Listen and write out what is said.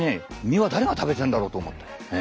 身は誰が食べてんだろうと思って。